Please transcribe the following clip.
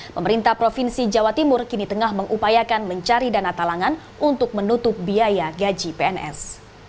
pemerintah provinsi jawa timur kini tengah mengupayakan mencari dana talangan untuk menutup biaya gaji pns